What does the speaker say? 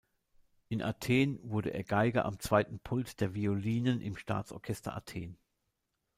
In Athen wurde er Geiger am zweiten Pult der Violinen im Staatsorchester Athen.